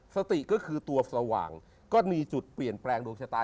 สติก็คือตัวสว่างก็มีจุดเปลี่ยนแปลงดวงชะตา